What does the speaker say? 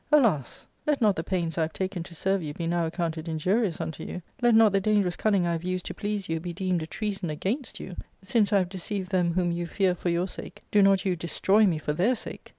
Alas ! let not the pains I have taken to serve you be now accounted injurious unto you, let not the dangerous cunning I have used to please you be deemed a treason against you ; since I have deceived them whom you fear for your sake, do not you destroy me for their sake.